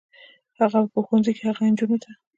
هغه به په ښوونځي کې هغو نجونو ته